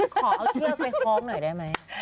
ขอเอาเชือกไปคล้องหน่อยได้ไหม